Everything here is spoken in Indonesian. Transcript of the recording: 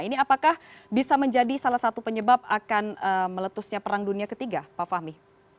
ini apakah bisa menjadi salah satu penyebab akan meletusnya perang dunia ketiga pak fahmi